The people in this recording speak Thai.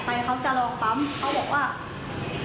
ไม่ให้ไม่ให้คือมึงอย่าเสือกอะไรประมาณเนี้ยว่าช่างเขาพูดว่ะอืม